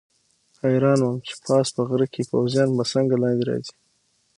حیران وم چې پاس په غره کې پوځیان به څنګه لاندې راځي.